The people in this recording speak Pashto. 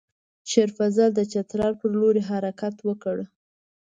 شېر افضل د چترال پر لوري حرکت وکړ.